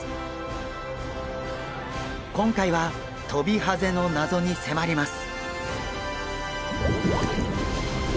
今回はトビハゼの謎に迫ります！